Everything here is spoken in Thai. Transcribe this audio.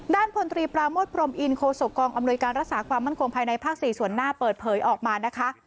พลตรีปราโมทพรมอินโคศกองอำนวยการรักษาความมั่นคงภายในภาค๔ส่วนหน้าเปิดเผยออกมานะคะ